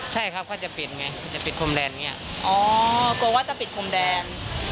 ใช่ควรจะปิดพรมแดน